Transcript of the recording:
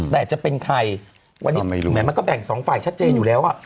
แต่จะเป็นใครมันก็แบ่งสองฝ่ายชัดเจนอยู่แล้ว